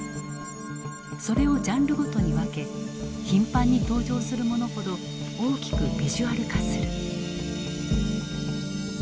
それをジャンルごとに分け頻繁に登場するものほど大きくビジュアル化する。